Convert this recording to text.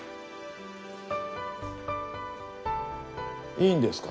いいんですか？